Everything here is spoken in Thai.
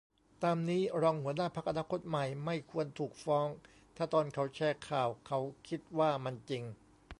ตามนี้ รองหัวหน้าพรรคอนาคตใหม่ไม่ควรถูกฟ้องถ้าตอนเขาแชร์ข่าวเขาคิดว่ามันจริง